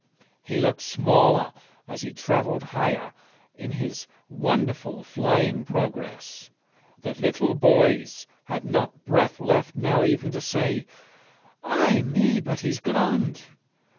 He looked smaller as he travelled higher in his wonderful flying progress. The little boys had not breath left now even to say, 'Ay me, but he's grond.'